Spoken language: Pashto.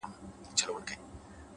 ژور انسان ژور اغېز پرېږدي’